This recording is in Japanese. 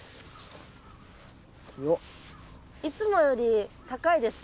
いつもより高いですか？